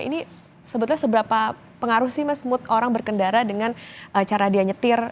ini sebetulnya seberapa pengaruh sih mas mood orang berkendara dengan cara dia nyetir